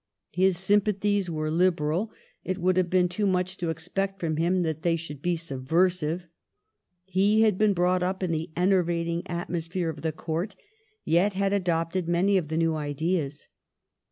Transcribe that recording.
His sympathies were lib eral ; it would have been too much to expect from bim that they should be subversive. He had been brought up in the enervating atmosphere of the Court, yet had adopted many of the new ideas.